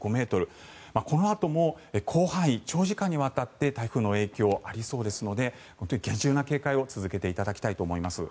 このあとも広範囲、長時間にわたって台風の影響、ありそうですので本当に厳重な警戒を続けていただきたいと思います。